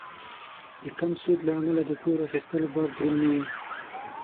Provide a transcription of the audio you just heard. د کم سود له امله د پور اخیستلو بار دروند نه وي.